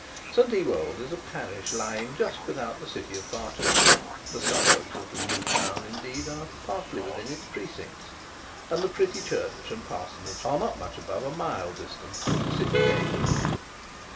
St Ewold's is a parish lying just without the city of Barchester. The suburbs of the new town, indeed, are partly within its precincts, and the pretty church and parsonage are not much above a mile distant from the city gate.